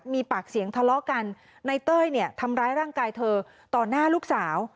มีปากเสียงทะเลาะกันในเต้ยเนี่ยทำร้ายร่างกายเธอต่อหน้าลูกสาว